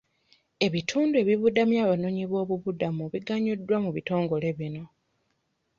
Ebitundu ebibudamya abanoonyi b'obubuddamu biganyuddwa mu bitongole bino.